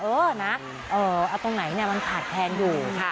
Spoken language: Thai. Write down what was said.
เออเอาตรงไหนขาดแทนอยู่